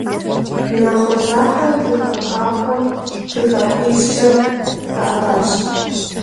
Нахъуэ дзахъэ жыхапхъапхъэм жыхапхъищкӏэ хэӏэбащ.